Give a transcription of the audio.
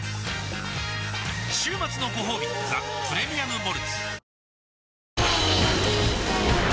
週末のごほうび「ザ・プレミアム・モルツ」